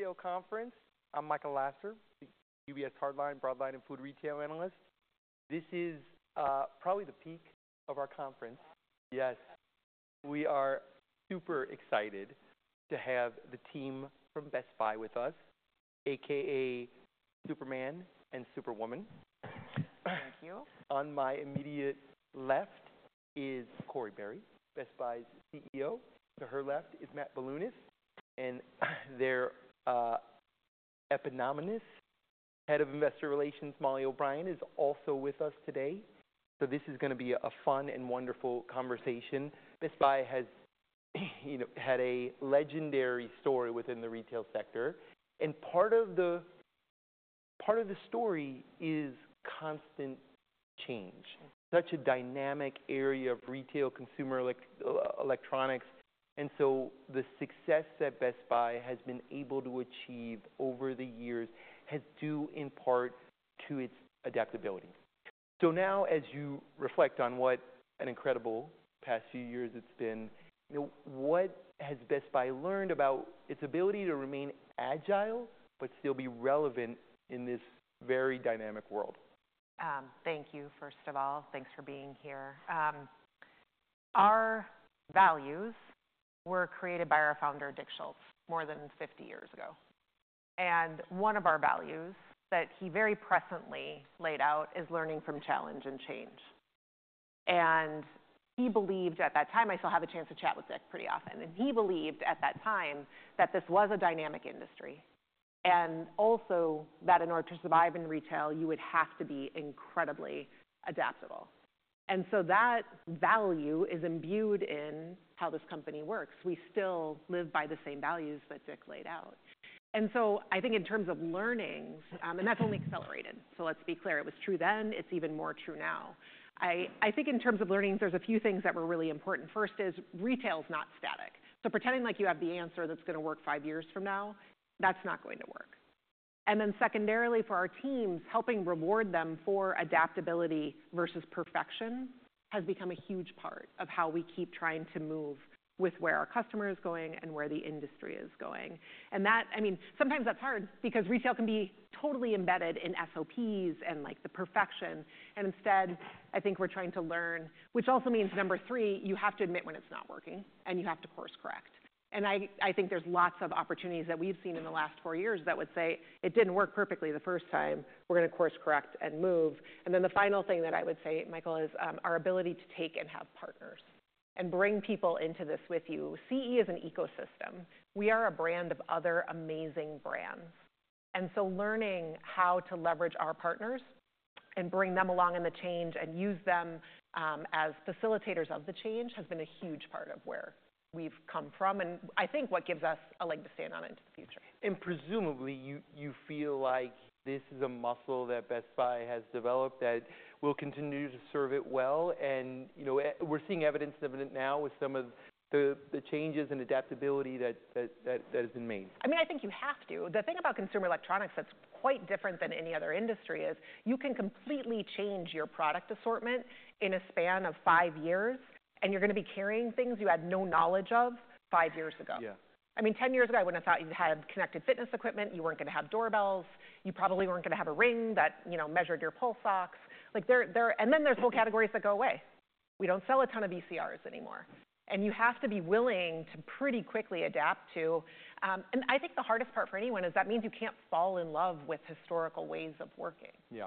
Retail conference. I'm Michael Lasser, UBS hardline, broadline and food retail analyst. This is probably the peak of our conference. Yes. We are super excited to have the team from Best Buy with us, aka Superman and Superwoman. Thank you. On my immediate left is Corie Barry, Best Buy's CEO. To her left is Matt Bilunas. And their eponymous head of investor relations, Mollie O'Brien, is also with us today. So this is going to be a fun and wonderful conversation. Best Buy has, you know, had a legendary story within the retail sector. And part of the part of the story is constant change. Such a dynamic area of retail, consumer electronics. And so the success that Best Buy has been able to achieve over the years has due in part to its adaptability. So now, as you reflect on what an incredible past few years it's been, you know, what has Best Buy learned about its ability to remain agile but still be relevant in this very dynamic world? Thank you, first of all. Thanks for being here. Our values were created by our founder, Dick Schulze, more than 50 years ago. One of our values that he very presciently laid out is learning from challenge and change. He believed at that time. I still have a chance to chat with Dick pretty often. He believed at that time that this was a dynamic industry. Also, in order to survive in retail, you would have to be incredibly adaptable. So that value is imbued in how this company works. We still live by the same values that Dick laid out. So I think in terms of learnings, and that's only accelerated. Let's be clear. It was true then. It's even more true now. I, I think in terms of learnings, there's a few things that were really important. First is retail's not static. So pretending like you have the answer that's going to work five years from now, that's not going to work. And then secondarily, for our teams, helping reward them for adaptability versus perfection has become a huge part of how we keep trying to move with where our customer is going and where the industry is going. And that, I mean, sometimes that's hard because retail can be totally embedded in SOPs and, like, the perfection. And instead, I think we're trying to learn, which also means, number three, you have to admit when it's not working, and you have to course-correct. And I, I think there's lots of opportunities that we've seen in the last four years that would say, "It didn't work perfectly the first time. We're going to course-correct and move." And then the final thing that I would say, Michael, is our ability to take and have partners and bring people into this with you. CE is an ecosystem. We are a brand of other amazing brands. And so learning how to leverage our partners and bring them along in the change and use them as facilitators of the change has been a huge part of where we've come from, and I think what gives us a leg to stand on into the future. Presumably, you feel like this is a muscle that Best Buy has developed that will continue to serve it well. You know, we're seeing evidence of it now with some of the changes and adaptability that has been made. I mean, I think you have to. The thing about consumer electronics that's quite different than any other industry is you can completely change your product assortment in a span of five years, and you're going to be carrying things you had no knowledge of five years ago. Yeah. I mean, 10 years ago, I wouldn't have thought you had connected fitness equipment. You weren't going to have doorbells. You probably weren't going to have a ring that, you know, measured your pulse ox. Like, there, there and then there's whole categories that go away. We don't sell a ton of VCRs anymore. You have to be willing to pretty quickly adapt to, and I think the hardest part for anyone is that means you can't fall in love with historical ways of working. Yeah.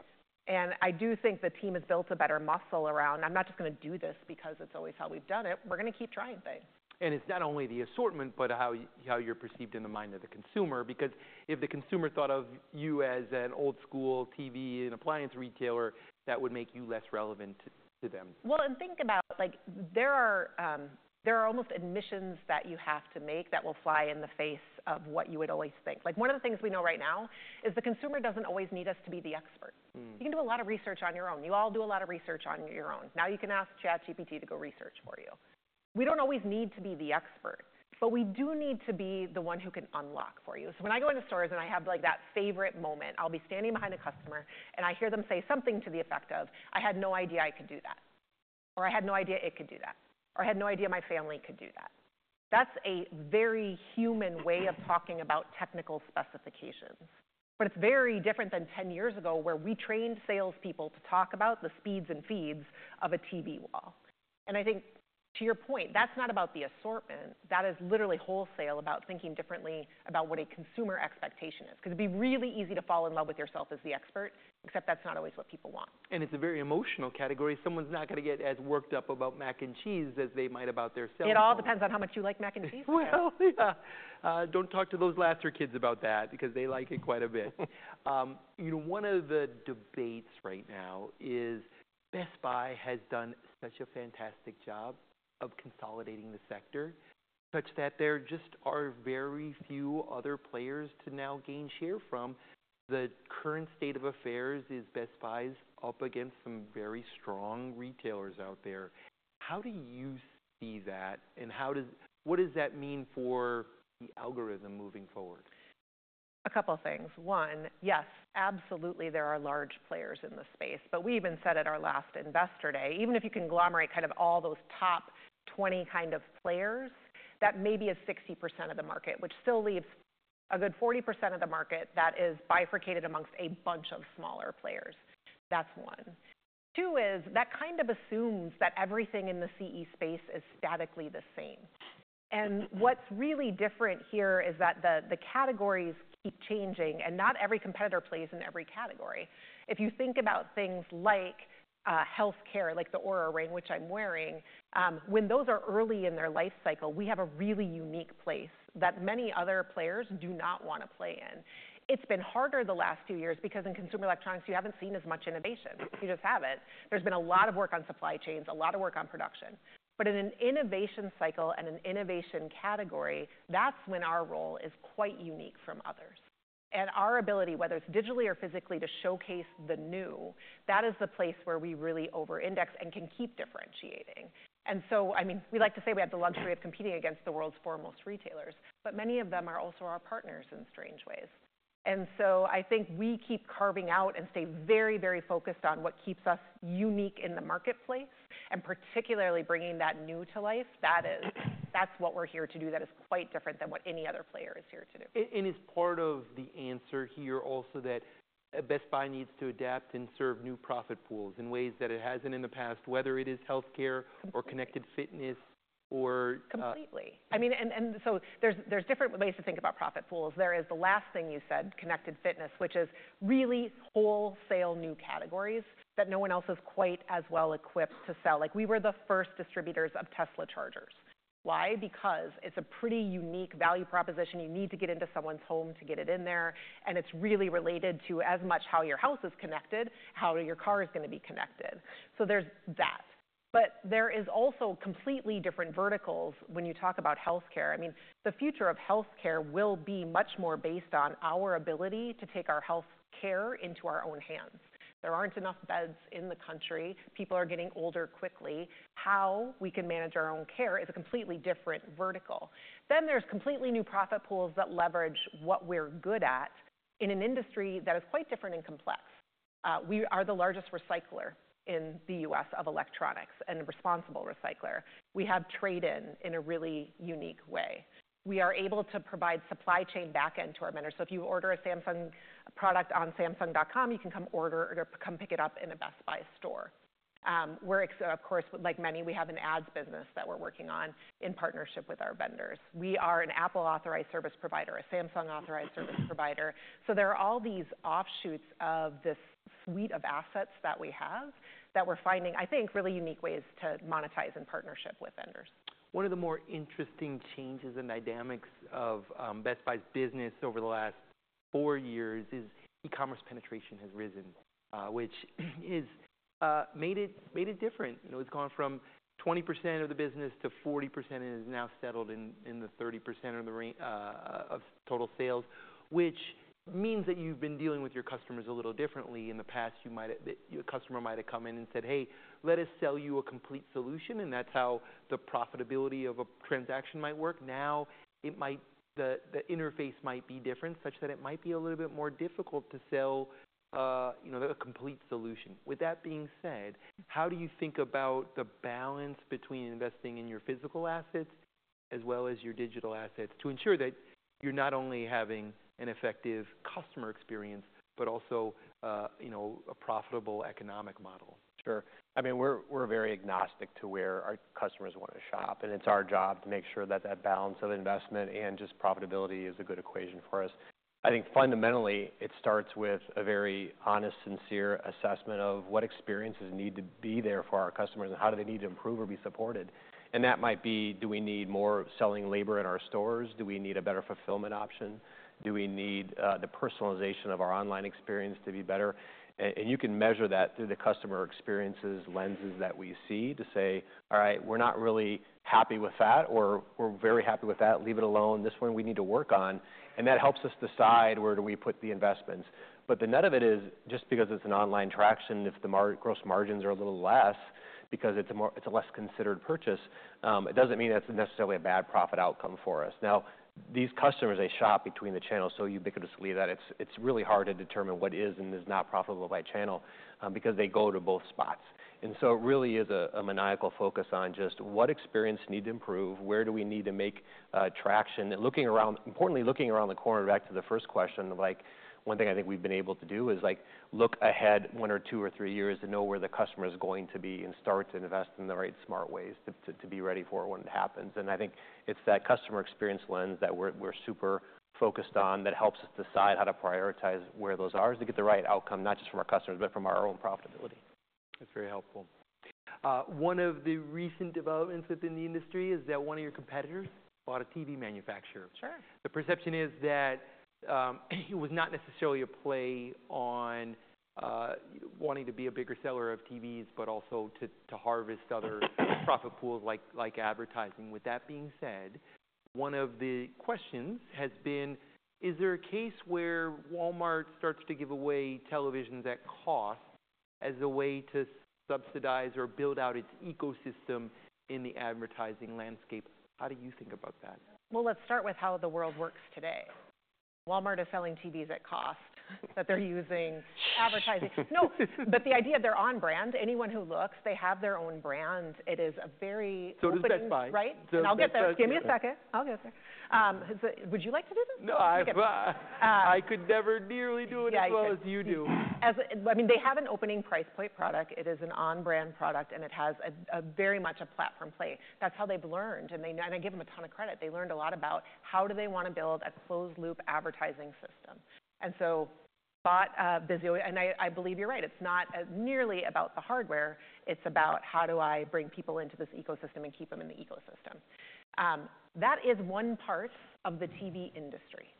I do think the team has built a better muscle around, "I'm not just going to do this because it's always how we've done it. We're going to keep trying things. It's not only the assortment but how you're perceived in the mind of the consumer. Because if the consumer thought of you as an old-school TV and appliance retailer, that would make you less relevant to them. Well, and think about, like, there are almost admissions that you have to make that will fly in the face of what you would always think. Like, one of the things we know right now is the consumer doesn't always need us to be the expert. You can do a lot of research on your own. You all do a lot of research on your own. Now you can ask ChatGPT to go research for you. We don't always need to be the expert, but we do need to be the one who can unlock for you. So when I go into stores and I have, like, that favorite moment, I'll be standing behind a customer, and I hear them say something to the effect of, "I had no idea I could do that." Or, "I had no idea it could do that." Or, "I had no idea my family could do that." That's a very human way of talking about technical specifications. But it's very different than 10 years ago where we trained salespeople to talk about the speeds and feeds of a TV wall. And I think, to your point, that's not about the assortment. That is literally wholesale about thinking differently about what a consumer expectation is. Because it'd be really easy to fall in love with yourself as the expert, except that's not always what people want. It's a very emotional category. Someone's not going to get as worked up about mac and cheese as they might about their salesperson. It all depends on how much you like mac and cheese. Well, yeah. Don't talk to those Lasser kids about that because they like it quite a bit. You know, one of the debates right now is Best Buy has done such a fantastic job of consolidating the sector such that there just are very few other players to now gain share from. The current state of affairs is Best Buy's up against some very strong retailers out there. How do you see that, and how does what does that mean for the algorithm moving forward? A couple of things. One, yes, absolutely there are large players in the space. But we even said at our last Investor Day, even if you conglomerate kind of all those top 20 kind of players, that maybe is 60% of the market, which still leaves a good 40% of the market that is bifurcated amongst a bunch of smaller players. That's one. Two is that kind of assumes that everything in the CE space is statically the same. And what's really different here is that the categories keep changing, and not every competitor plays in every category. If you think about things like, healthcare, like the Oura Ring, which I'm wearing, when those are early in their life cycle, we have a really unique place that many other players do not want to play in. It's been harder the last few years because in consumer electronics, you haven't seen as much innovation. You just haven't. There's been a lot of work on supply chains, a lot of work on production. But in an innovation cycle and an innovation category, that's when our role is quite unique from others. And our ability, whether it's digitally or physically, to showcase the new, that is the place where we really over-index and can keep differentiating. And so, I mean, we like to say we have the luxury of competing against the world's foremost retailers, but many of them are also our partners in strange ways. And so I think we keep carving out and stay very, very focused on what keeps us unique in the marketplace, and particularly bringing that new to life. That's what we're here to do. That is quite different than what any other player is here to do. It's part of the answer here also that Best Buy needs to adapt and serve new Profit Pools in ways that it hasn't in the past, whether it is healthcare or connected fitness or. Completely. I mean, so there's different ways to think about profit pools. There is the last thing you said, connected fitness, which is really wholesale new categories that no one else is quite as well equipped to sell. Like, we were the first distributors of Tesla chargers. Why? Because it's a pretty unique value proposition. You need to get into someone's home to get it in there. And it's really related to as much how your house is connected, how your car is going to be connected. So there's that. But there is also completely different verticals when you talk about healthcare. I mean, the future of healthcare will be much more based on our ability to take our healthcare into our own hands. There aren't enough beds in the country. People are getting older quickly. How we can manage our own care is a completely different vertical. Then there's completely new profit pools that leverage what we're good at in an industry that is quite different and complex. We are the largest recycler in the U.S. of electronics and responsible recycler. We have trade-in in a really unique way. We are able to provide supply chain backend to our vendors. So if you order a Samsung product on Samsung.com, you can come order or come pick it up in a Best Buy store. We're, of course, like many, we have an ads business that we're working on in partnership with our vendors. We are an Apple-authorized service provider, a Samsung-authorized service provider. So there are all these offshoots of this suite of assets that we have that we're finding, I think, really unique ways to monetize in partnership with vendors. One of the more interesting changes and dynamics of Best Buy's business over the last 4 years is E-commerce penetration has risen, which has made it different. You know, it's gone from 20% of the business to 40% and is now settled in the 30% range of total sales, which means that you've been dealing with your customers a little differently. In the past, you might have a customer come in and said, "Hey, let us sell you a complete solution." And that's how the profitability of a transaction might work. Now the interface might be different such that it might be a little bit more difficult to sell, you know, a complete solution. With that being said, how do you think about the balance between investing in your physical assets as well as your digital assets to ensure that you're not only having an effective customer experience but also, you know, a profitable economic model? Sure. I mean, we're very agnostic to where our customers want to shop. It's our job to make sure that that balance of investment and just profitability is a good equation for us. I think fundamentally, it starts with a very honest, sincere assessment of what experiences need to be there for our customers and how do they need to improve or be supported. That might be, do we need more selling labor in our stores? Do we need a better fulfillment option? Do we need the personalization of our online experience to be better? And you can measure that through the customer experiences lenses that we see to say, "All right, we're not really happy with that," or, "We're very happy with that. Leave it alone. This one we need to work on." That helps us decide where do we put the investments. But the nut of it is, just because it's an online transaction, if the gross margins are a little less, because it's a more it's a less considered purchase, it doesn't mean that's necessarily a bad profit outcome for us. Now, these customers, they shop between the channels. So ubiquitously that it's, it's really hard to determine what is and is not profitable by channel, because they go to both spots. And so it really is a, a maniacal focus on just what experiences need to improve, where do we need to make traction. Looking around, importantly, looking around the corner back to the first question, like, one thing I think we've been able to do is, like, look ahead one or two or three years to know where the customer is going to be and start to invest in the right smart ways to be ready for when it happens. I think it's that customer experience lens that we're super focused on that helps us decide how to prioritize where those are to get the right outcome, not just from our customers but from our own profitability. That's very helpful. One of the recent developments within the industry is that one of your competitors bought a TV manufacturer. Sure. The perception is that it was not necessarily a play on wanting to be a bigger seller of TVs but also to harvest other profit pools like advertising. With that being said, one of the questions has been, is there a case where Walmart starts to give away televisions at cost as a way to subsidize or build out its ecosystem in the advertising landscape? How do you think about that? Well, let's start with how the world works today. Walmart is selling TVs at cost that they're using advertising. No. But the idea of their own brand, anyone who looks, they have their own brand. It is a very good thing, right? So does Best Buy. Now get there. Give me a second. I'll get there. Would you like to do this? No, I would. I could never nearly do it as well as you do. As I mean, they have an opening price point product. It is an on-brand product, and it has a, a very much a platform play. That's how they've learned. And they know and I give them a ton of credit. They learned a lot about how do they want to build a closed-loop advertising system. And so bought Vizio. And I, I believe you're right. It's not nearly about the hardware. It's about how do I bring people into this ecosystem and keep them in the ecosystem. That is one part of the TV industry.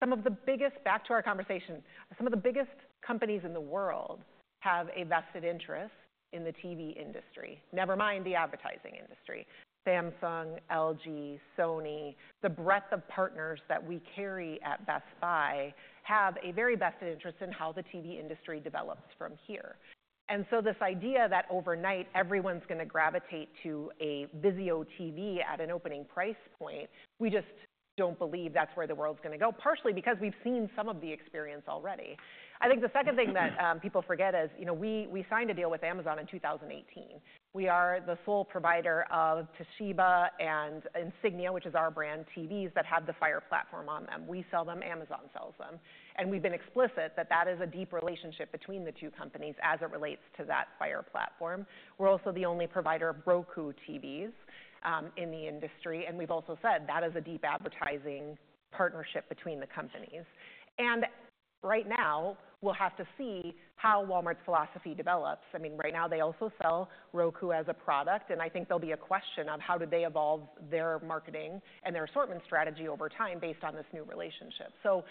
Some of the biggest back to our conversation, some of the biggest companies in the world have a vested interest in the TV industry, never mind the advertising industry. Samsung, LG, Sony, the breadth of partners that we carry at Best Buy have a very vested interest in how the TV industry develops from here. And so this idea that overnight everyone's going to gravitate to a Vizio TV at an opening price point, we just don't believe that's where the world's going to go, partially because we've seen some of the experience already. I think the second thing that people forget is, you know, we signed a deal with Amazon in 2018. We are the sole provider of Toshiba and Insignia, which is our brand TVs, that have the Fire platform on them. We sell them. Amazon sells them. And we've been explicit that that is a deep relationship between the two companies as it relates to that Fire platform. We're also the only provider of Roku TVs, in the industry. And we've also said that is a deep advertising partnership between the companies. And right now, we'll have to see how Walmart's philosophy develops. I mean, right now, they also sell Roku as a product. And I think there'll be a question of how did they evolve their marketing and their assortment strategy over time based on this new relationship? So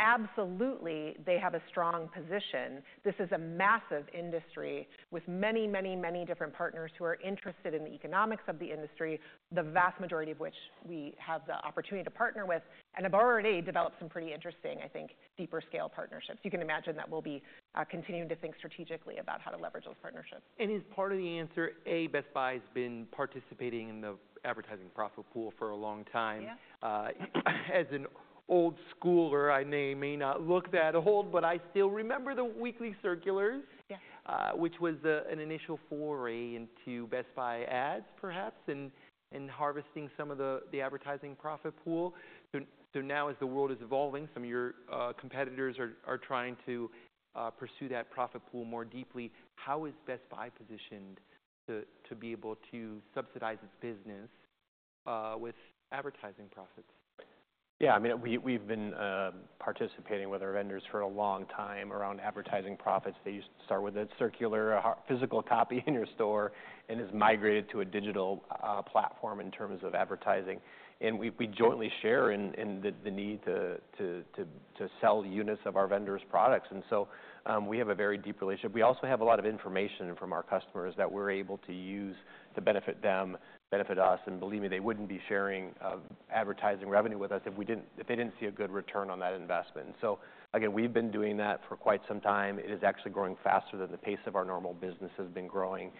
absolutely, they have a strong position. This is a massive industry with many, many, many different partners who are interested in the economics of the industry, the vast majority of which we have the opportunity to partner with and have already developed some pretty interesting, I think, deeper-scale partnerships. You can imagine that we'll be, continuing to think strategically about how to leverage those partnerships. Is part of the answer, A, Best Buy has been participating in the advertising profit pool for a long time. Yeah. As an old-schooler, I may not look that old, but I still remember the weekly circulars, which was an initial foray into Best Buy ads, perhaps, and harvesting some of the advertising profit pool. So now as the world is evolving, some of your competitors are trying to pursue that profit pool more deeply. How is Best Buy positioned to be able to subsidize its business with advertising profits? Yeah. I mean, we've been participating with our vendors for a long time around advertising profits. They used to start with a circular, a physical copy in your store and has migrated to a digital platform in terms of advertising. And we jointly share in the need to sell units of our vendors' products. And so, we have a very deep relationship. We also have a lot of information from our customers that we're able to use to benefit them, benefit us. And believe me, they wouldn't be sharing advertising revenue with us if they didn't see a good return on that investment. And so, again, we've been doing that for quite some time. It is actually growing faster than the pace of our normal business has been growing.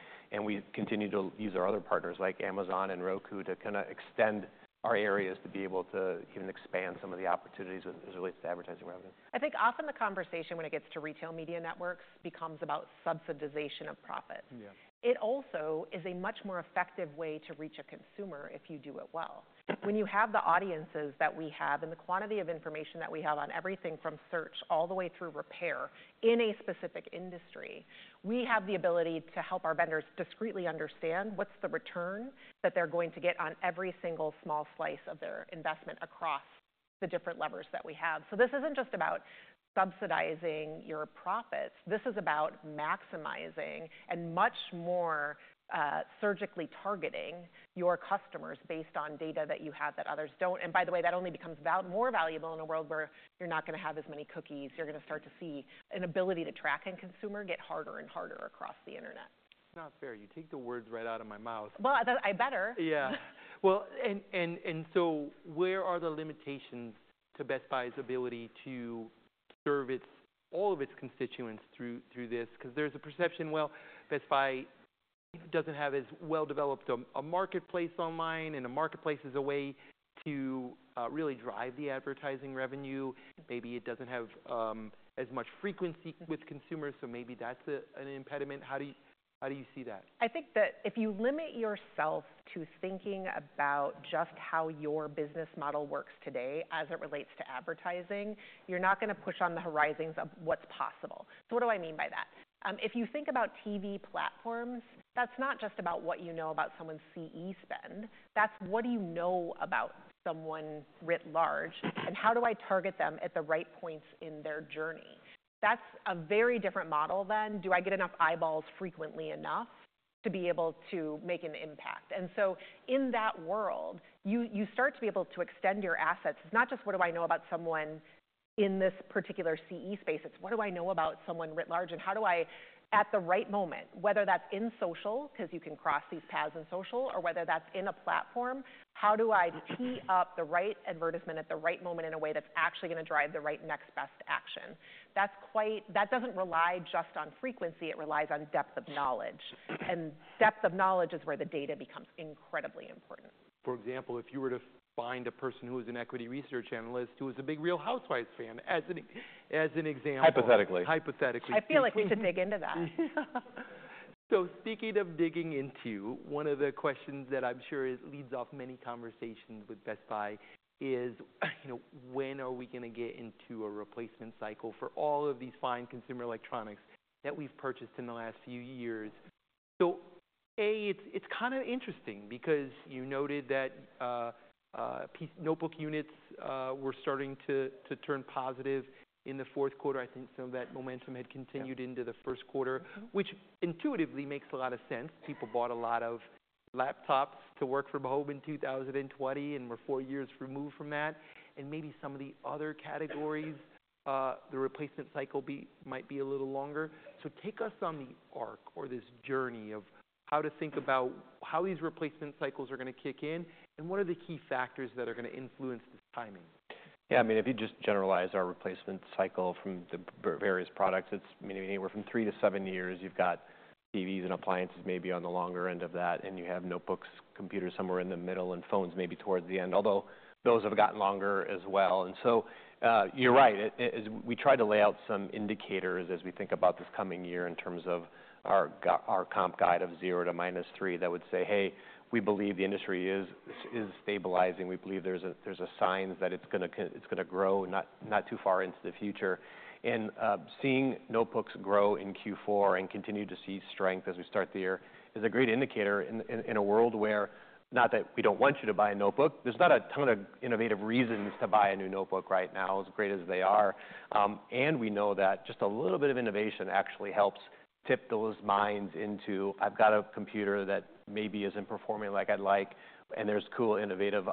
We continue to use our other partners like Amazon and Roku to kind of extend our areas to be able to even expand some of the opportunities as it relates to advertising revenue. I think often the conversation when it gets to retail media networks becomes about subsidization of profits. Yeah. It also is a much more effective way to reach a consumer if you do it well. When you have the audiences that we have and the quantity of information that we have on everything from search all the way through repair in a specific industry, we have the ability to help our vendors discreetly understand what's the return that they're going to get on every single small slice of their investment across the different levers that we have. So this isn't just about subsidizing your profits. This is about maximizing and much more surgically targeting your customers based on data that you have that others don't. And by the way, that only becomes more valuable in a world where you're not going to have as many cookies. You're going to start to see an ability to track a consumer get harder and harder across the internet. It's not fair. You take the words right out of my mouth. Well, I better. Yeah. Well, and so where are the limitations to Best Buy's ability to serve all of its constituents through this? Because there's a perception, well, Best Buy doesn't have as well-developed a marketplace online. And a marketplace is a way to really drive the advertising revenue. Maybe it doesn't have as much frequency with consumers. So maybe that's an impediment. How do you see that? I think that if you limit yourself to thinking about just how your business model works today as it relates to advertising, you're not going to push on the horizons of what's possible. So what do I mean by that? If you think about TV platforms, that's not just about what you know about someone's CE spend. That's what do you know about someone writ large and how do I target them at the right points in their journey? That's a very different model than. Do I get enough eyeballs frequently enough to be able to make an impact? And so in that world, you, you start to be able to extend your assets. It's not just what do I know about someone in this particular CE space. It's what do I know about someone writ large and how do I, at the right moment, whether that's in social, because you can cross these paths in social, or whether that's in a platform, how do I tee up the right advertisement at the right moment in a way that's actually going to drive the right next best action? That's quite that doesn't rely just on frequency. It relies on depth of knowledge. Depth of knowledge is where the data becomes incredibly important. For example, if you were to find a person who is an equity research analyst who is a big Real Housewives fan as an example. Hypothetically. Hypothetically. I feel like we should dig into that. So speaking of digging into, one of the questions that I'm sure leads off many conversations with Best Buy is, you know, when are we going to get into a replacement cycle for all of these fine consumer electronics that we've purchased in the last few years? So, A, it's, it's kind of interesting because you noted that PC notebook units were starting to, to turn positive in the Q4. I think some of that momentum had continued into the Q1, which intuitively makes a lot of sense. People bought a lot of laptops to work from home in 2020. And we're four years removed from that. And maybe some of the other categories, the replacement cycle might be a little longer. Take us on the arc or this journey of how to think about how these replacement cycles are going to kick in and what are the key factors that are going to influence this timing? Yeah. I mean, if you just generalize our replacement cycle from the various products, it's maybe anywhere from 3-7 years. You've got TVs and appliances maybe on the longer end of that. And you have notebooks, computers somewhere in the middle, and phones maybe towards the end, although those have gotten longer as well. And so, you're right. As we try to lay out some indicators as we think about this coming year in terms of our comp guide of 0 to -3 that would say, hey, we believe the industry is stabilizing. We believe there's a signs that it's going to grow not too far into the future. Seeing notebooks grow in Q4 and continue to see strength as we start the year is a great indicator in a world where not that we don't want you to buy a notebook. There's not a ton of innovative reasons to buy a new notebook right now, as great as they are. And we know that just a little bit of innovation actually helps tip those minds into, I've got a computer that maybe isn't performing like I'd like, and there's cool, innovative,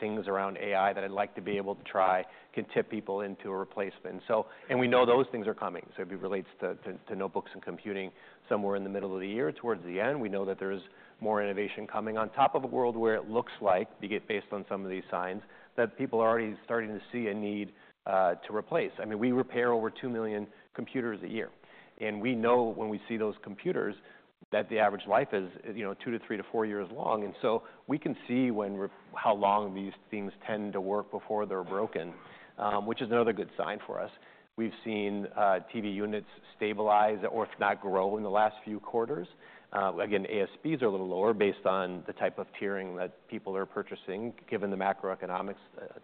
things around AI that I'd like to be able to try can tip people into a replacement. So and we know those things are coming. So it relates to notebooks and computing somewhere in the middle of the year towards the end. We know that there's more innovation coming on top of a world where it looks like, based on some of these signs, that people are already starting to see a need to replace. I mean, we repair over 2 million computers a year. And we know when we see those computers that the average life is, you know, 2 to 3 to 4 years long. And so we can see when how long these things tend to work before they're broken, which is another good sign for us. We've seen TV units stabilize or if not grow in the last few quarters. Again, ASPs are a little lower based on the type of tiering that people are purchasing given the macroeconomics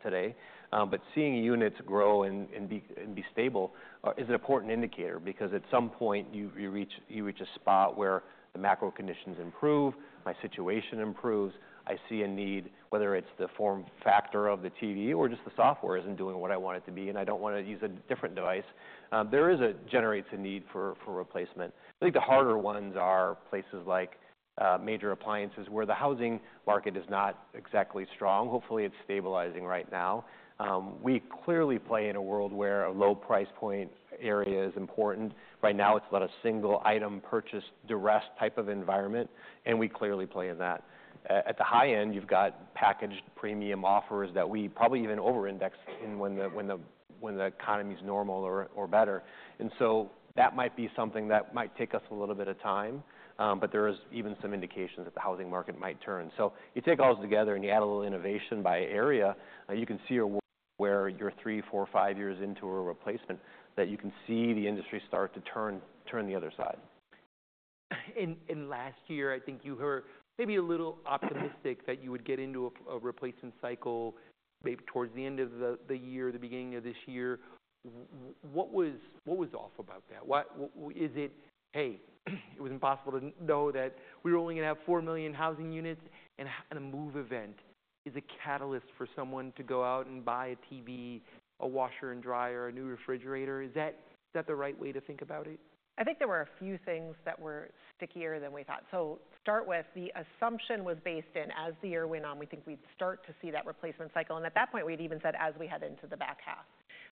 today. But seeing units grow and be stable is an important indicator because at some point, you reach a spot where the macro conditions improve, my situation improves, I see a need, whether it's the form factor of the TV or just the software isn't doing what I want it to be, and I don't want to use a different device. That generates a need for replacement. I think the harder ones are places like major appliances where the housing market is not exactly strong. Hopefully, it's stabilizing right now. We clearly play in a world where a low price point area is important. Right now, it's about a single item purchased, distressed type of environment. And we clearly play in that. At the high end, you've got packaged premium offers that we probably even over-index in when the economy's normal or better. So that might be something that might take us a little bit of time. But there is even some indications that the housing market might turn. So you take all together and you add a little innovation by area, you can see a world where you're 3, 4, 5 years into a replacement that you can see the industry start to turn the other side. In last year, I think you were maybe a little optimistic that you would get into a replacement cycle maybe towards the end of the year, the beginning of this year. What was off about that? Why is it, hey, it was impossible to know that we were only going to have 4 million housing units? And a move event is a catalyst for someone to go out and buy a TV, a washer and dryer, a new refrigerator. Is that the right way to think about it? I think there were a few things that were stickier than we thought. So, start with the assumption was based in, as the year went on, we think we'd start to see that replacement cycle. And at that point, we'd even said, as we head into the back half.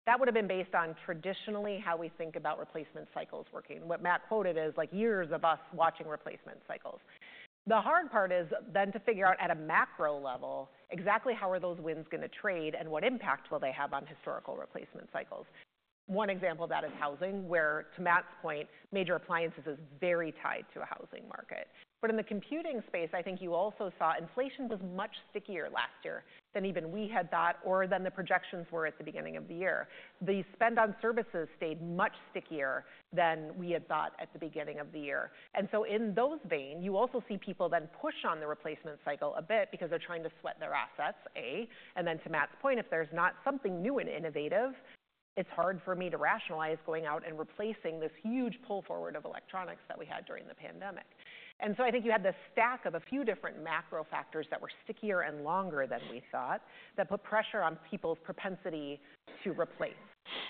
That would have been based on traditionally how we think about replacement cycles working. What Matt quoted is like years of us watching replacement cycles. The hard part is then to figure out at a macro level exactly how are those wins going to trade and what impact will they have on historical replacement cycles. One example of that is housing where, to Matt's point, major appliances is very tied to a housing market. But in the computing space, I think you also saw inflation was much stickier last year than even we had thought or than the projections were at the beginning of the year. The spend on services stayed much stickier than we had thought at the beginning of the year. And so in that vein, you also see people then push on the replacement cycle a bit because they're trying to sweat their assets. And then, to Matt's point, if there's not something new and innovative, it's hard for me to rationalize going out and replacing this huge pull forward of electronics that we had during the pandemic. And so I think you had the stack of a few different macro factors that were stickier and longer than we thought that put pressure on people's propensity to replace.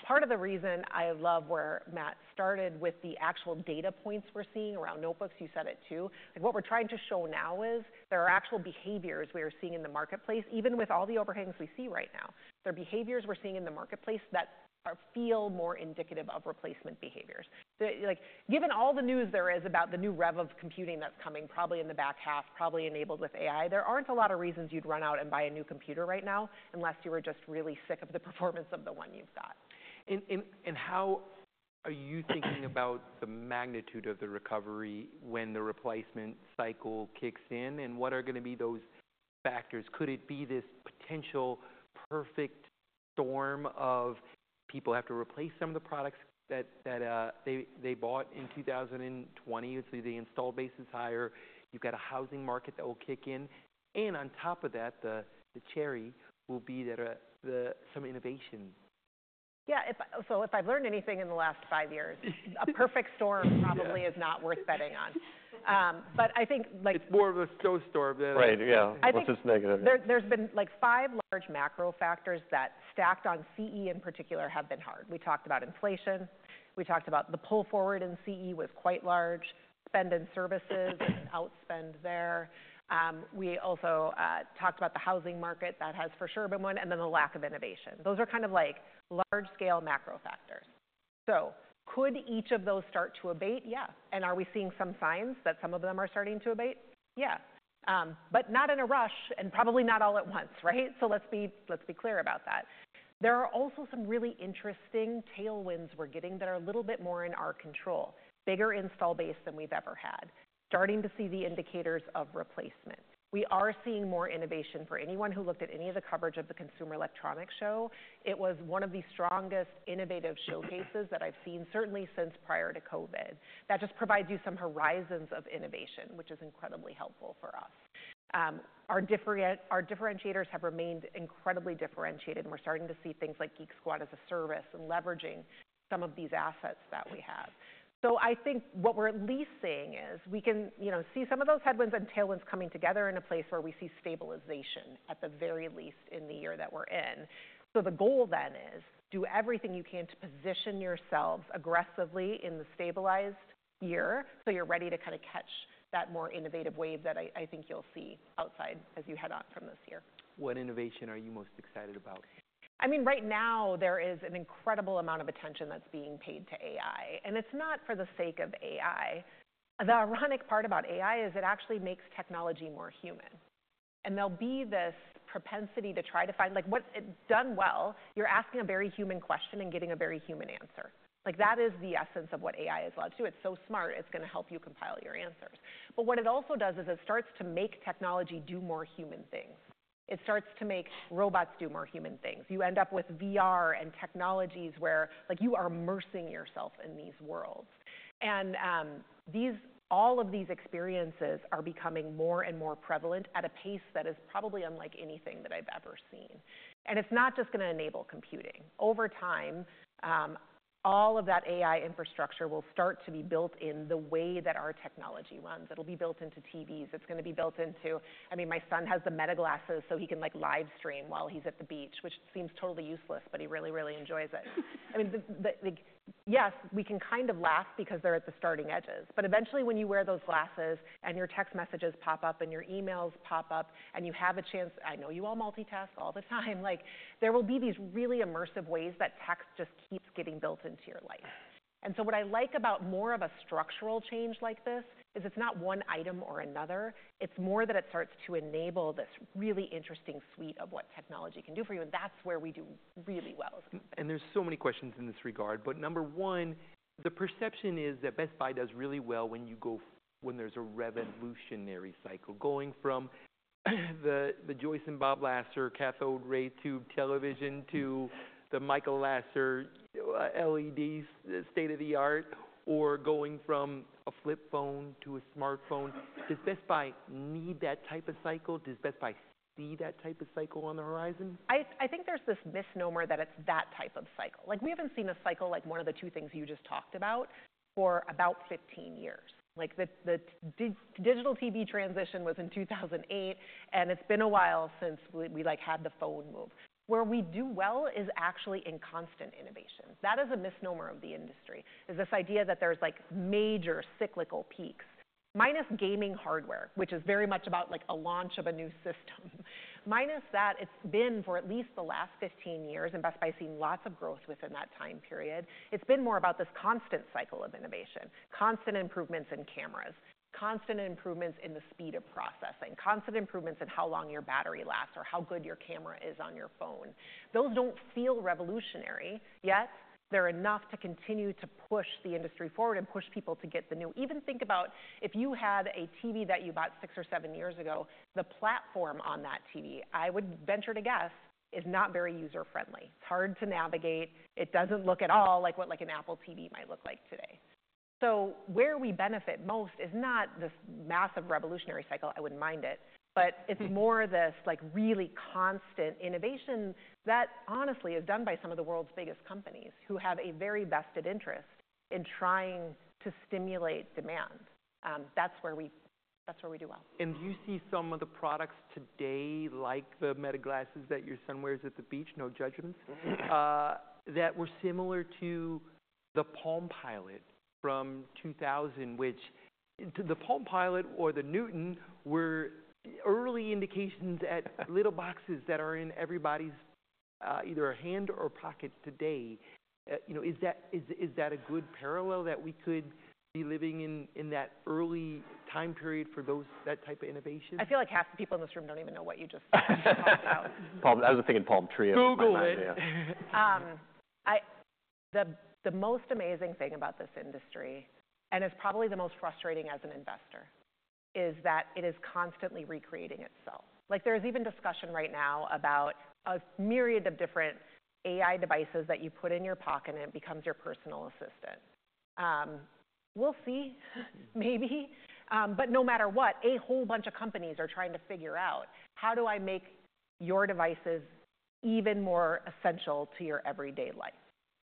Part of the reason I love where Matt started with the actual data points we're seeing around notebooks, you said it too. Like what we're trying to show now is there are actual behaviors we are seeing in the marketplace, even with all the overhangs we see right now. There are behaviors we're seeing in the marketplace that feel more indicative of replacement behaviors. Like given all the news there is about the new rev of computing that's coming, probably in the back half, probably enabled with AI, there aren't a lot of reasons you'd run out and buy a new computer right now unless you were just really sick of the performance of the one you've got. How are you thinking about the magnitude of the recovery when the replacement cycle kicks in? And what are going to be those factors? Could it be this potential perfect storm of people have to replace some of the products that they bought in 2020? So the installed base is higher. You've got a housing market that will kick in. And on top of that, the cherry will be that are the some innovation. Yeah. If so, if I've learned anything in the last five years, a perfect storm probably is not worth betting on. But I think like. It's more of a snowstorm than. Right. Yeah. What's this negative? I think there's been like five large macro factors that stacked on CE in particular have been hard. We talked about inflation. We talked about the pull forward in CE was quite large, spend in services and outspend there. We also talked about the housing market that has for sure been one, and then the lack of innovation. Those are kind of like large-scale macro factors. So could each of those start to abate? Yeah. And are we seeing some signs that some of them are starting to abate? Yeah. But not in a rush and probably not all at once, right? So let's be clear about that. There are also some really interesting tailwinds we're getting that are a little bit more in our control, bigger install base than we've ever had, starting to see the indicators of replacement. We are seeing more innovation. For anyone who looked at any of the coverage of the Consumer Electronics Show, it was one of the strongest innovative showcases that I've seen, certainly since prior to COVID. That just provides you some horizons of innovation, which is incredibly helpful for us. Our differentiators have remained incredibly differentiated. And we're starting to see things like Geek Squad as a service and leveraging some of these assets that we have. So I think what we're at least seeing is we can, you know, see some of those headwinds and tailwinds coming together in a place where we see stabilization, at the very least, in the year that we're in. So, the goal then is to do everything you can to position yourselves aggressively in the stabilized year so you're ready to kind of catch that more innovative wave that I, I think you'll see outside as you head on from this year. What innovation are you most excited about? I mean, right now, there is an incredible amount of attention that's being paid to AI. And it's not for the sake of AI. The ironic part about AI is it actually makes technology more human. And there'll be this propensity to try to find like what's it done well, you're asking a very human question and getting a very human answer. Like that is the essence of what AI is allowed to do. It's so smart, it's going to help you compile your answers. But what it also does is it starts to make technology do more human things. It starts to make robots do more human things. You end up with VR and technologies where, like, you are immersing yourself in these worlds. And, these all of these experiences are becoming more and more prevalent at a pace that is probably unlike anything that I've ever seen. And it's not just going to enable computing. Over time, all of that AI infrastructure will start to be built in the way that our technology runs. It'll be built into TVs. It's going to be built into—I mean, my son has the Meta glasses so he can, like, live stream while he's at the beach, which seems totally useless, but he really, really enjoys it. I mean, like, yes, we can kind of laugh because they're at the starting edges. But eventually, when you wear those glasses and your text messages pop up and your emails pop up and you have a chance—I know you all multitask all the time. Like, there will be these really immersive ways that tech just keeps getting built into your life. So what I like about more of a structural change like this is it's not one item or another. It's more that it starts to enable this really interesting suite of what technology can do for you. That's where we do really well as a company. There's so many questions in this regard. But number one, the perception is that Best Buy does really well when there's a revolutionary cycle going from the Joyce and Bob Lasser cathode ray tube television to the Michael Lasser LED state of the art or going from a flip phone to a smartphone. Does Best Buy need that type of cycle? Does Best Buy see that type of cycle on the horizon? I think there's this misnomer that it's that type of cycle. Like, we haven't seen a cycle like one of the two things you just talked about for about 15 years. Like the digital TV transition was in 2008. And it's been a while since we like had the phone move. Where we do well is actually in constant innovation. That is a misnomer of the industry is this idea that there's like major cyclical peaks minus gaming hardware, which is very much about like a launch of a new system minus that it's been for at least the last 15 years. And Best Buy's seen lots of growth within that time period. It's been more about this constant cycle of innovation, constant improvements in cameras, constant improvements in the speed of processing, constant improvements in how long your battery lasts or how good your camera is on your phone. Those don't feel revolutionary yet. They're enough to continue to push the industry forward and push people to get the new even think about if you had a TV that you bought six or seven years ago. The platform on that TV, I would venture to guess, is not very user-friendly. It's hard to navigate. It doesn't look at all like what, like, an Apple TV might look like today. So where we benefit most is not this massive revolutionary cycle. I wouldn't mind it. It's more this, like, really constant innovation that honestly is done by some of the world's biggest companies who have a very vested interest in trying to stimulate demand. That's where we do well. Do you see some of the products today, like the Meta glasses that your son wears at the beach? No judgments. That were similar to the Palm Pilot from 2000, which the Palm Pilot or the Newton were early indications at little boxes that are in everybody's, either hand or pocket today. You know, is that a good parallel that we could be living in, in that early time period for those that type of innovation? I feel like half the people in this room don't even know what you just talked about. Palm. I was thinking palm tree. Google it. Yeah. The most amazing thing about this industry and it's probably the most frustrating as an investor is that it is constantly recreating itself. Like, there is even discussion right now about a myriad of different AI devices that you put in your pocket and it becomes your personal assistant. We'll see, maybe. But no matter what, a whole bunch of companies are trying to figure out, how do I make your devices even more essential to your everyday life?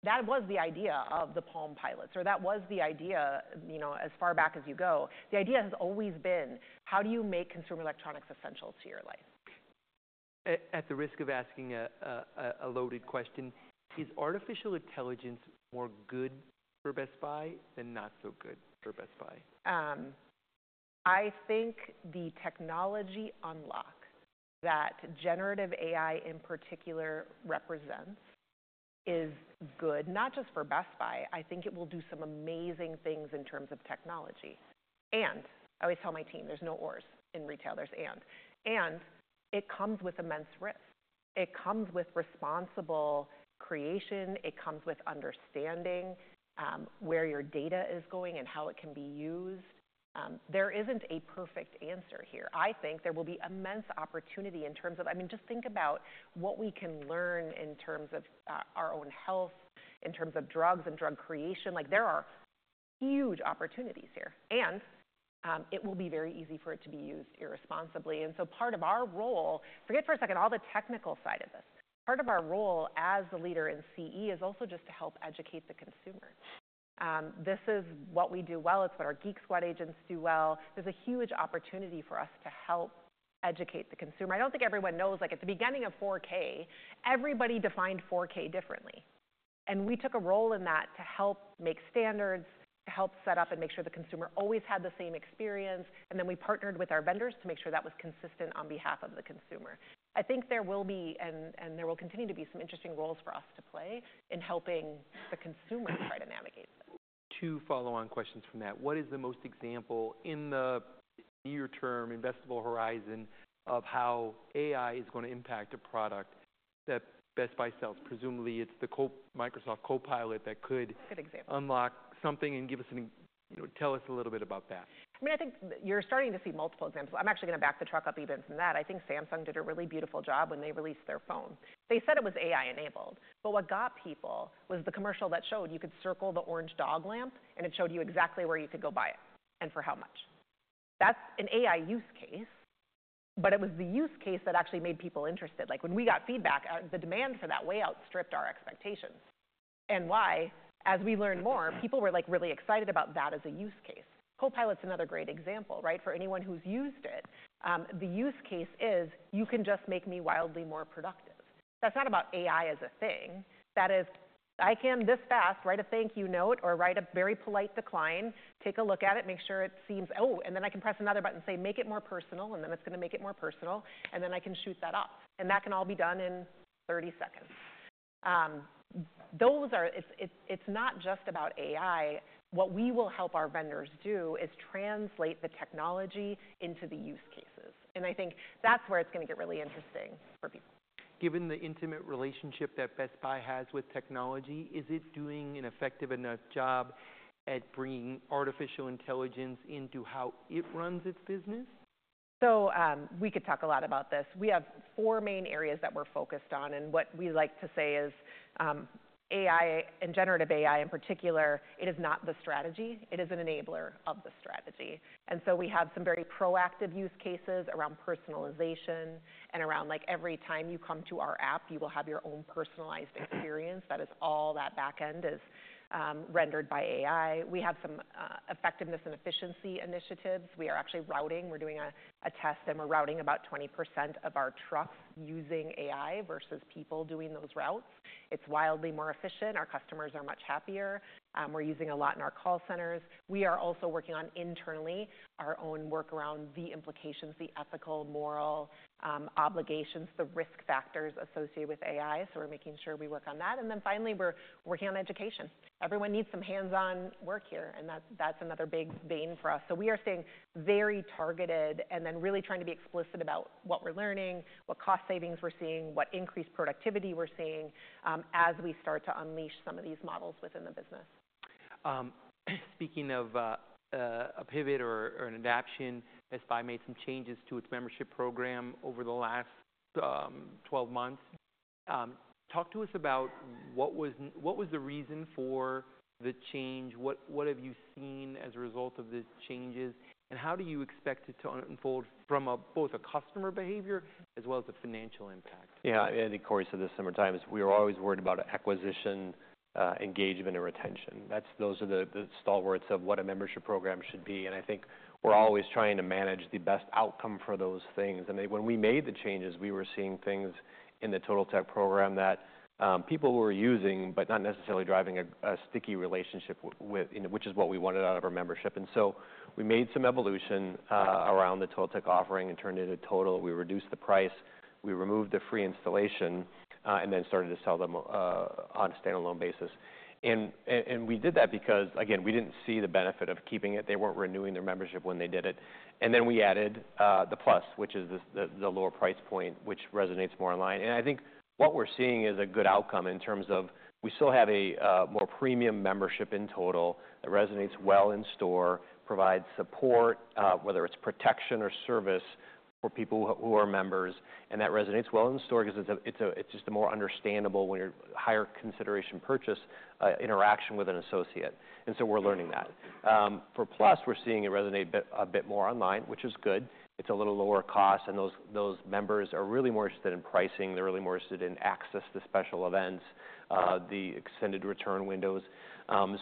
That was the idea of the Palm Pilot. Or that was the idea, you know, as far back as you go, the idea has always been, how do you make consumer electronics essential to your life? At the risk of asking a loaded question, is artificial intelligence more good for Best Buy than not so good for Best Buy? I think the technology unlock that generative AI in particular represents is good, not just for Best Buy. I think it will do some amazing things in terms of technology. I always tell my team, there's no ors in retail. There's and. It comes with immense risk. It comes with responsible creation. It comes with understanding where your data is going and how it can be used. There isn't a perfect answer here. I think there will be immense opportunity in terms of, I mean, just think about what we can learn in terms of our own health, in terms of drugs and drug creation. Like, there are huge opportunities here. It will be very easy for it to be used irresponsibly. So part of our role, forget for a second, all the technical side of this. Part of our role as the leader in CE is also just to help educate the consumer. This is what we do well. It's what our Geek Squad agents do well. There's a huge opportunity for us to help educate the consumer. I don't think everyone knows, like, at the beginning of 4K, everybody defined 4K differently. And we took a role in that to help make standards, to help set up and make sure the consumer always had the same experience. And then we partnered with our vendors to make sure that was consistent on behalf of the consumer. I think there will be and, and there will continue to be some interesting roles for us to play in helping the consumer try to navigate this. Two follow-on questions from that. What is the most example in the near-term investible horizon of how AI is going to impact a product that Best Buy sells? Presumably, it's the Microsoft Copilot that could. Good example. Unlock something and give us an, you know, tell us a little bit about that. I mean, I think you're starting to see multiple examples. I'm actually going to back the truck up even from that. I think Samsung did a really beautiful job when they released their phone. They said it was AI-enabled. But what got people was the commercial that showed you could circle the orange dog lamp, and it showed you exactly where you could go buy it and for how much. That's an AI use case. But it was the use case that actually made people interested. Like, when we got feedback, the demand for that way outstripped our expectations. And why? As we learned more, people were, like, really excited about that as a use case. Copilot's another great example, right, for anyone who's used it. The use case is you can just make me wildly more productive. That's not about AI as a thing. That is, I can this fast write a thank you note or write a very polite decline, take a look at it, make sure it seems oh, and then I can press another button and say, make it more personal. Then it's going to make it more personal. Then I can shoot that off. That can all be done in 30 seconds. Those are. It's not just about AI. What we will help our vendors do is translate the technology into the use cases. I think that's where it's going to get really interesting for people. Given the intimate relationship that Best Buy has with technology, is it doing an effective enough job at bringing artificial intelligence into how it runs its business? So, we could talk a lot about this. We have four main areas that we're focused on. And what we like to say is, AI and generative AI in particular, it is not the strategy. It is an enabler of the strategy. And so we have some very proactive use cases around personalization and around, like, every time you come to our app, you will have your own personalized experience. That is all that backend is, rendered by AI. We have some effectiveness and efficiency initiatives. We are actually routing. We're doing a test, and we're routing about 20% of our trucks using AI versus people doing those routes. It's wildly more efficient. Our customers are much happier. We're using a lot in our call centers. We are also working on internally our own work around the implications, the ethical, moral, obligations, the risk factors associated with AI. We're making sure we work on that. Finally, we're working on education. Everyone needs some hands-on work here. That, that's another big bane for us. We are staying very targeted and then really trying to be explicit about what we're learning, what cost savings we're seeing, what increased productivity we're seeing, as we start to unleash some of these models within the business. Speaking of a pivot or an adaptation, Best Buy made some changes to its membership program over the last 12 months. Talk to us about what was the reason for the change? What have you seen as a result of the changes? And how do you expect it to unfold from both a customer behavior as well as a financial impact? Yeah. In the course of the summertime, we were always worried about acquisition, engagement, and retention. That's those are the stalwarts of what a membership program should be. And I think we're always trying to manage the best outcome for those things. And when we made the changes, we were seeing things in the Total Tech program that people were using but not necessarily driving a sticky relationship with, you know, which is what we wanted out of our membership. And so we made some evolution around the Total Tech offering and turned it into Total. We reduced the price. We removed the free installation, and then started to sell them on a standalone basis. And we did that because, again, we didn't see the benefit of keeping it. They weren't renewing their membership when they did it. And then we added the Plus, which is the lower price point, which resonates more online. And I think what we're seeing is a good outcome in terms of we still have a more premium membership in Total that resonates well in store, provides support, whether it's protection or service for people who are members. And that resonates well in store because it's just a more understandable when you're higher consideration purchase, interaction with an associate. And so we're learning that. For Plus, we're seeing it resonate a bit more online, which is good. It's a little lower cost. And those members are really more interested in pricing. They're really more interested in access to special events, the extended return windows.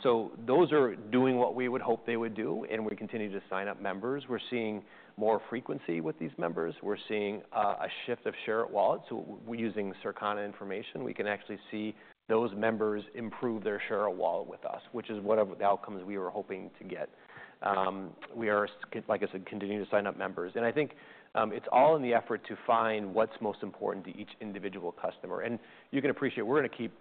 So those are doing what we would hope they would do. And we continue to sign up members. We're seeing more frequency with these members. We're seeing a shift of share of wallet. So we're using Circana information. We can actually see those members improve their share of wallet with us, which is one of the outcomes we were hoping to get. We are, like I said, continuing to sign up members. And I think it's all in the effort to find what's most important to each individual customer. And you can appreciate we're going to keep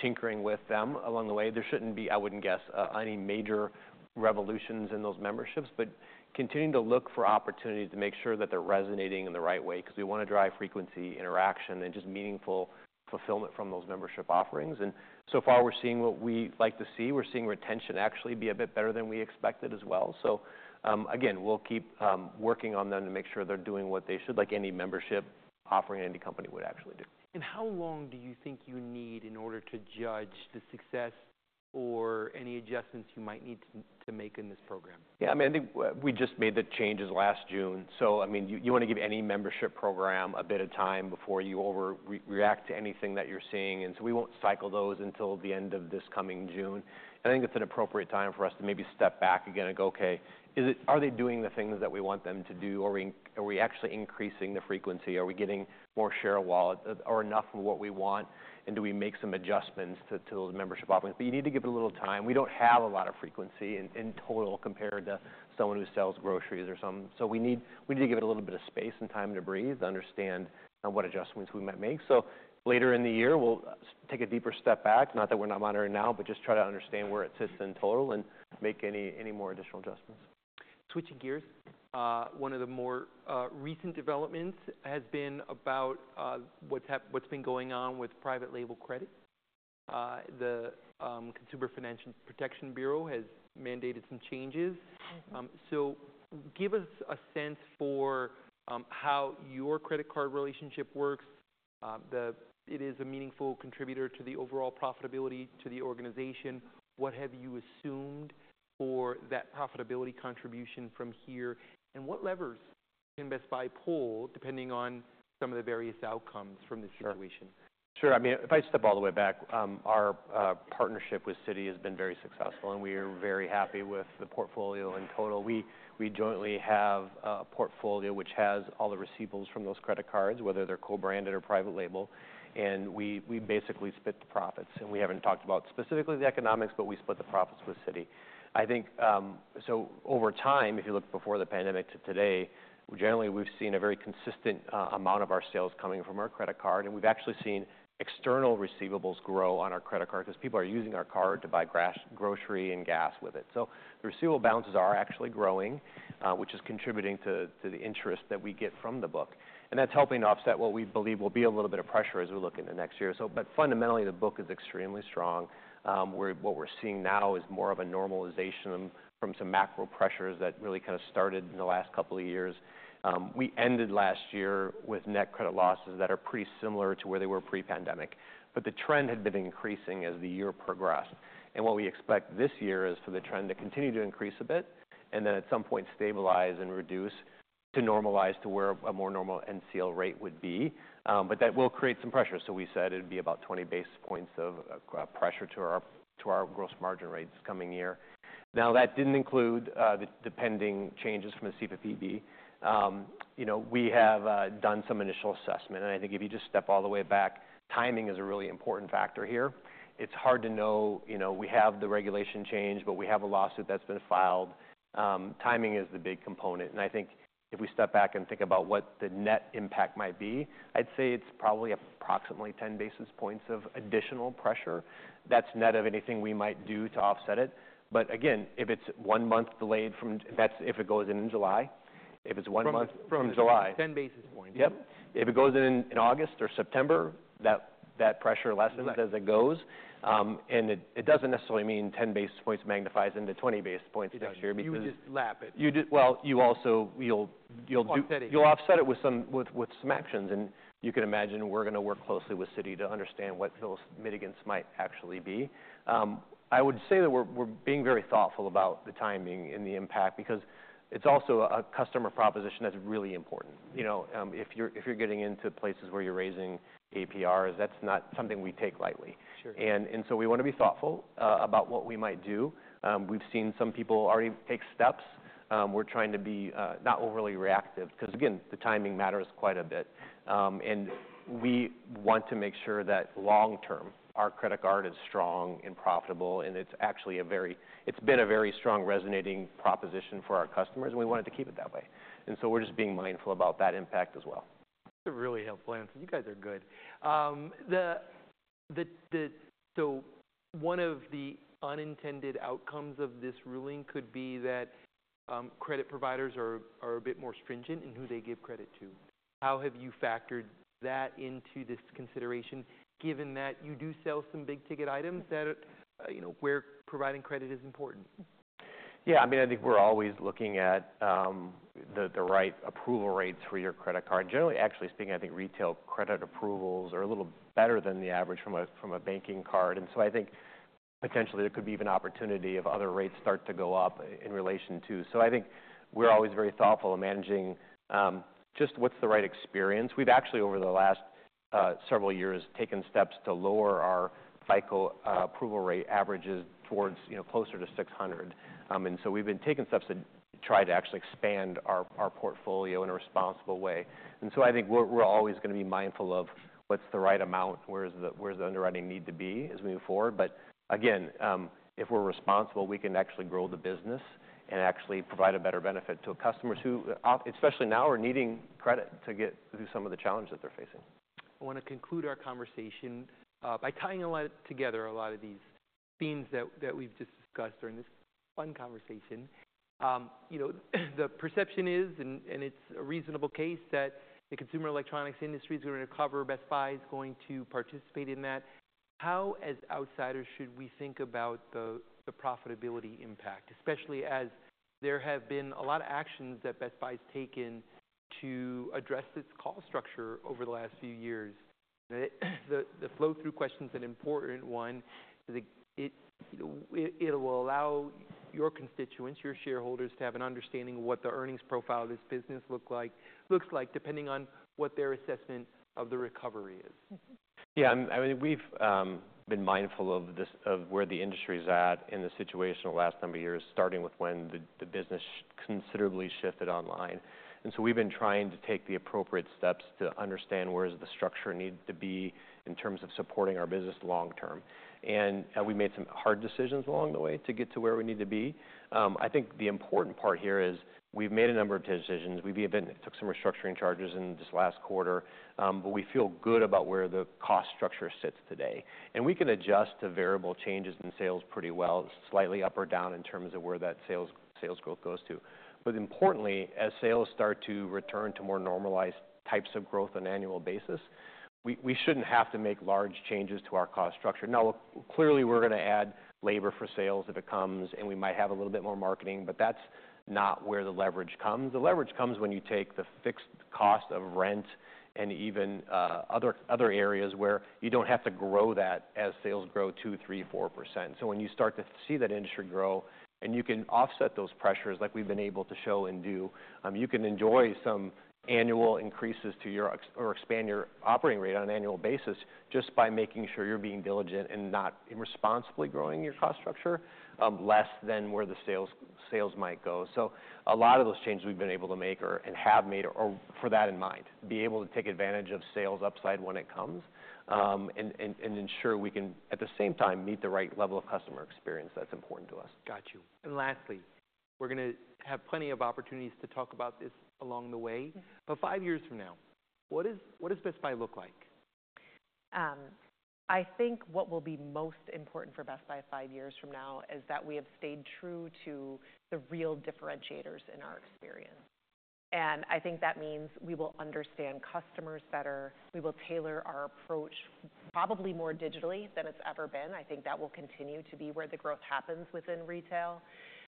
tinkering with them along the way. There shouldn't be, I wouldn't guess, any major revolutions in those memberships, but continuing to look for opportunities to make sure that they're resonating in the right way because we want to drive frequency, interaction, and just meaningful fulfillment from those membership offerings. And so far, we're seeing what we like to see. We're seeing retention actually be a bit better than we expected as well. So, again, we'll keep working on them to make sure they're doing what they should, like any membership offering any company would actually do. How long do you think you need in order to judge the success or any adjustments you might need to, to make in this program? Yeah. I mean, I think we just made the changes last June. So, I mean, you want to give any membership program a bit of time before you overreact to anything that you're seeing. And so we won't cycle those until the end of this coming June. And I think it's an appropriate time for us to maybe step back again and go, OK, are they doing the things that we want them to do? Are we actually increasing the frequency? Are we getting more share of wallet or enough of what we want? And do we make some adjustments to those membership offerings? But you need to give it a little time. We don't have a lot of frequency in Total compared to someone who sells groceries or some. So we need to give it a little bit of space and time to breathe, understand what adjustments we might make. So later in the year, we'll take a deeper step back. Not that we're not monitoring now, but just try to understand where it sits in Total and make any more additional adjustments. Switching gears, one of the more recent developments has been about what's happened, what's been going on with private label credit. The Consumer Financial Protection Bureau has mandated some changes. So give us a sense for how your credit card relationship works. That it is a meaningful contributor to the overall profitability to the organization. What have you assumed for that profitability contribution from here? And what levers can Best Buy pull depending on some of the various outcomes from this situation? Sure. I mean, if I step all the way back, our partnership with Citi has been very successful. We are very happy with the portfolio in Total. We jointly have a portfolio which has all the receivables from those credit cards, whether they're co-branded or private label. We basically split the profits. We haven't talked about specifically the economics, but we split the profits with Citi. I think, so over time, if you look before the pandemic to today, generally, we've seen a very consistent amount of our sales coming from our credit card. We've actually seen external receivables grow on our credit card because people are using our card to buy grocery and gas with it. So the receivable balances are actually growing, which is contributing to the interest that we get from the book. And that's helping offset what we believe will be a little bit of pressure as we look into next year. So but fundamentally, the book is extremely strong. What we're seeing now is more of a normalization from some macro pressures that really kind of started in the last couple of years. We ended last year with net credit losses that are pretty similar to where they were pre-pandemic. But the trend had been increasing as the year progressed. And what we expect this year is for the trend to continue to increase a bit and then at some point stabilize and reduce to normalize to where a more normal NCL rate would be. But that will create some pressure. So we said it'd be about 20 basis points of pressure to our gross margin rates coming year. Now, that didn't include the impending changes from the CFPB. You know, we have done some initial assessment. And I think if you just step all the way back, timing is a really important factor here. It's hard to know, you know, we have the regulation changed, but we have a lawsuit that's been filed. Timing is the big component. And I think if we step back and think about what the net impact might be, I'd say it's probably approximately 10 basis points of additional pressure. That's net of anything we might do to offset it. But again, if it's one month delayed from that, that's if it goes in in July. If it's one month from July. From 10 basis points. Yep. If it goes in August or September, that pressure lessens as it goes. And it doesn't necessarily mean 10 basis points magnifies into 20 basis points next year because. You just lap it. You'll offset it with some actions. You can imagine we're going to work closely with Citi to understand what those mitigants might actually be. I would say that we're being very thoughtful about the timing and the impact because it's also a customer proposition that's really important. You know, if you're getting into places where you're raising APRs, that's not something we take lightly. Sure. And so we want to be thoughtful about what we might do. We've seen some people already take steps. We're trying to be not overly reactive because, again, the timing matters quite a bit. And we want to make sure that long term, our credit card is strong and profitable. And it's actually been a very strong resonating proposition for our customers. And we wanted to keep it that way. And so we're just being mindful about that impact as well. That's a really helpful answer. You guys are good. So one of the unintended outcomes of this ruling could be that credit providers are a bit more stringent in who they give credit to. How have you factored that into this consideration, given that you do sell some big-ticket items that are, you know, where providing credit is important? Yeah. I mean, I think we're always looking at the right approval rates for your credit card. Generally, actually speaking, I think retail credit approvals are a little better than the average from a banking card. And so I think potentially, there could be even opportunity if other rates start to go up in relation to. So I think we're always very thoughtful in managing just what's the right experience. We've actually, over the last several years, taken steps to lower our FICO approval rate averages towards, you know, closer to 600. And so we've been taking steps to try to actually expand our portfolio in a responsible way. And so I think we're always going to be mindful of what's the right amount, where's the underwriting need to be as we move forward. But again, if we're responsible, we can actually grow the business and actually provide a better benefit to customers who, especially now, are needing credit to get through some of the challenges that they're facing. I want to conclude our conversation, by tying a lot together, a lot of these themes that we've just discussed during this fun conversation. You know, the perception is, and it's a reasonable case, that the consumer electronics industry is going to recover. Best Buy is going to participate in that. How, as outsiders, should we think about the profitability impact, especially as there have been a lot of actions that Best Buy has taken to address its call structure over the last few years? The flow-through questions, an important one, is it, you know, it will allow your constituents, your shareholders, to have an understanding of what the earnings profile of this business looks like, looks like, depending on what their assessment of the recovery is? Yeah. I mean, we've been mindful of this of where the industry is at in the situation the last number of years, starting with when the business considerably shifted online. And so we've been trying to take the appropriate steps to understand where's the structure need to be in terms of supporting our business long term. And we made some hard decisions along the way to get to where we need to be. I think the important part here is we've made a number of decisions. We've even took some restructuring charges in this last quarter. But we feel good about where the cost structure sits today. And we can adjust to variable changes in sales pretty well, slightly up or down in terms of where that sales growth goes to. But importantly, as sales start to return to more normalized types of growth on annual basis, we shouldn't have to make large changes to our cost structure. Now, clearly, we're going to add labor for sales if it comes. And we might have a little bit more marketing. But that's not where the leverage comes. The leverage comes when you take the fixed cost of rent and even other areas where you don't have to grow that as sales grow 2%, 3%, 4%. So when you start to see that industry grow and you can offset those pressures like we've been able to show and do, you can enjoy some annual increases to your or expand your operating rate on an annual basis just by making sure you're being diligent and not irresponsibly growing your cost structure less than where the sales might go. So a lot of those changes we've been able to make are, and have made, are with that in mind, be able to take advantage of sales upside when it comes, and ensure we can, at the same time, meet the right level of customer experience that's important to us. Got you. And lastly, we're going to have plenty of opportunities to talk about this along the way. But five years from now, what does what does Best Buy look like? I think what will be most important for Best Buy five years from now is that we have stayed true to the real differentiators in our experience. I think that means we will understand customers better. We will tailor our approach probably more digitally than it's ever been. I think that will continue to be where the growth happens within retail.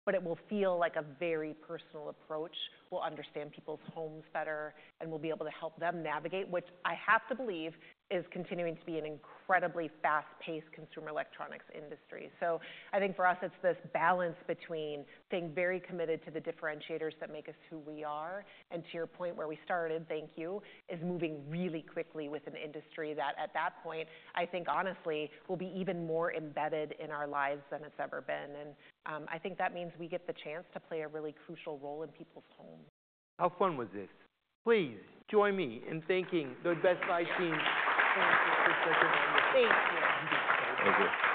It will feel like a very personal approach. We'll understand people's homes better. We'll be able to help them navigate, which I have to believe is continuing to be an incredibly fast-paced consumer electronics industry. So I think for us, it's this balance between staying very committed to the differentiators that make us who we are and to your point where we started, thank you, is moving really quickly with an industry that, at that point, I think honestly, will be even more embedded in our lives than it's ever been. And, I think that means we get the chance to play a really crucial role in people's homes. How fun was this? Please join me in thanking the Best Buy team. Thank you for such a wonderful. Thank you. Thank you.